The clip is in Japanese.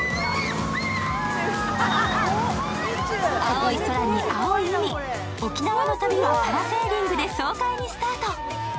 青い空に青い海、沖縄の旅はパラセーリングで爽快にスタート。